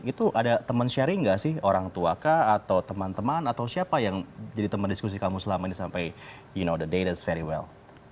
itu ada teman sharing nggak sih orang tua kah atau teman teman atau siapa yang jadi teman diskusi kamu selama ini sampai you know the day that is very well